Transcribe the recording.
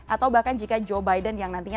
atau bahkan jika joe biden yang nantinya